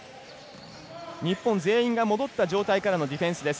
日本全員が戻った状態からのディフェンスです。